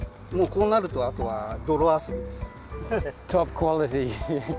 こうなるとあとは泥遊びです。